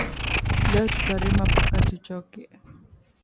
Leo tuta rima paka tu choke